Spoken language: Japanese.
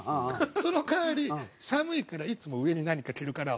その代わり寒いからいつも上に何か着るから。